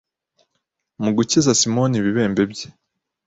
Mu gukiza Simoni ibibembe bye,